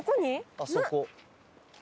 あそこ。